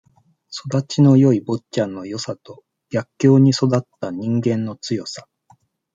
育ちのよい坊ちゃんのよさと、逆境に育った人間の強さ。